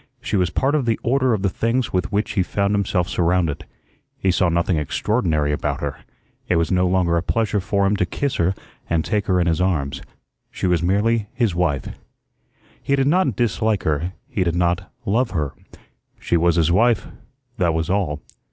She was part of the order of the things with which he found himself surrounded. He saw nothing extraordinary about her; it was no longer a pleasure for him to kiss her and take her in his arms; she was merely his wife. He did not dislike her; he did not love her. She was his wife, that was all.